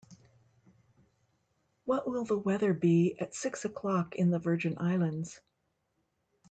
What will the weather be at six o'clock in the Virgin Islands?